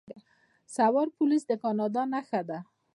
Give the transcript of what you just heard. سوار پولیس د کاناډا نښه ده.